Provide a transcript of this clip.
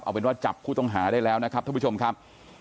เอาเป็นว่าจับผู้ต้องหาได้แล้วนะครับท่านผู้ชมครับ